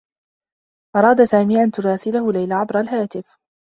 أراد سامي أن تراسله ليلى عبر الهاتف.